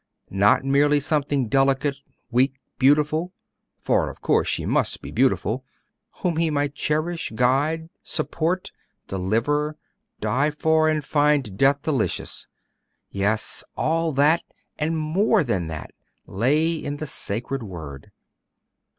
Not merely something delicate, weak, beautiful for of course she must be beautiful whom he might cherish, guide, support, deliver, die for, and find death delicious. Yes all that, and more than that, lay in the sacred word.